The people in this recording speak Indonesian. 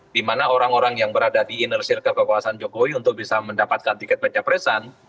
dimana orang orang yang berada di inner circle kekuasaan jokowi untuk bisa mendapatkan tiket pencapresan